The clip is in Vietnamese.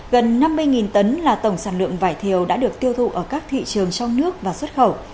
gần năm mươi tấn là tổng sản lượng vải thiều đã được tiêu thụ ở các thị trường trong nước và xuất khẩu